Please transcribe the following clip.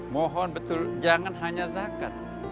mohon betul jangan hanya zakat